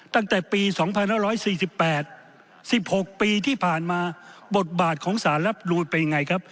ตั้งแต่ปี๒๕๔๘๑๖ปีที่ผ่านมาบทบาทของสารรับนูนเป็นยังไงครับ